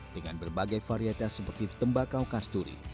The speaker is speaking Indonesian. dengan berbagai varietas seperti tembakau kasturi